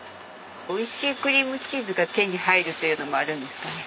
美味しいクリームチーズが手に入るというのもあるんですかね。